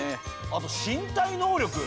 あと身体能力。